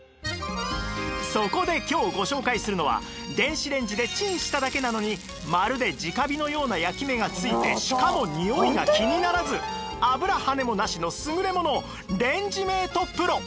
そこで今日ご紹介するのは電子レンジでチンしただけなのにまるで直火のような焼き目がついてしかもにおいが気にならず油はねもなしの優れものレンジメート ＰＲＯ